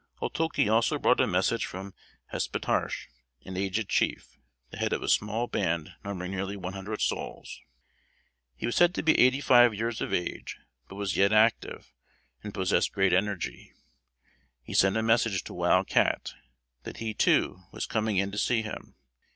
Otulke also brought a message from Hospetarche, an aged chief, the head of a small band numbering nearly one hundred souls. He was said to be eighty five years of age; but was yet active, and possessed great energy. He sent a message to Wild Cat that he, too, was coming in to see him.